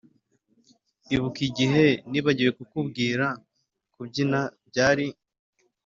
ibuka igihe nibagiwe kukubwira kubyina byari